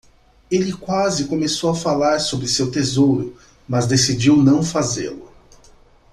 Ele quase começou a falar sobre seu tesouro, mas decidiu não fazê-lo.